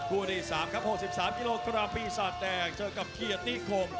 คู่ที่๓ครับ๖๓กิโลกรัมปีศาจแดงเจอกับเกียรติคม